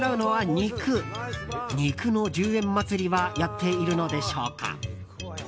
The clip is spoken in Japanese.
肉の１０円祭りはやっているのでしょうか？